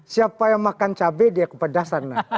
siapa yang makan cabai dia kepedasan